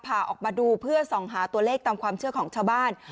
พาออกมาดูเพื่อส่องหาตัวเลขตามความเชื่อของชาวบ้าน